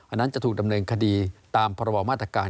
อันนั้นจะถูกดำเนินคดีตามพรบมาตรการ